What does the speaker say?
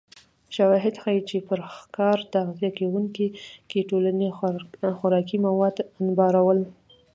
شواهد ښيي چې پر ښکار تغذیه کېدونکې ټولنې خوراکي مواد انبارول